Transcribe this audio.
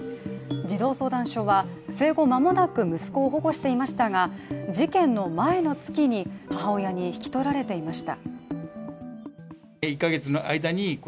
児童相談所は生後間もなく息子を保護していましたが事件の前の月に母親に引き取られていました。